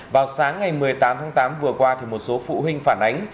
vào sáng ngày một mươi tám tháng tám vừa qua một số phụ huynh phản ánh